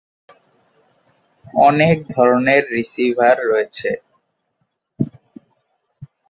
অনেক ধরনের রিসিভার রয়েছে।